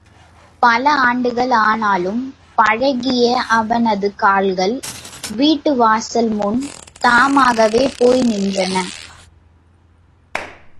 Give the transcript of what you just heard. பல ஆண்டுகள் ஆனாலும், பழகிய அவனது கால்கள் வீட்டு வாசல் முன் தாமாகவே போய் நின்றன.